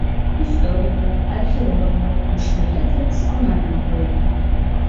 Историк-влак, археолог-влак тушко ятыр экспонатым пуэныт.